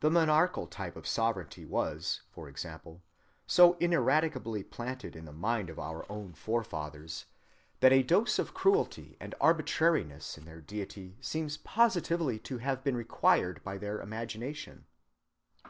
The monarchical type of sovereignty was, for example, so ineradicably planted in the mind of our own forefathers that a dose of cruelty and arbitrariness in their deity seems positively to have been required by their imagination.